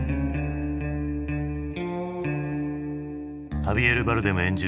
ハビエル・バルデム演じる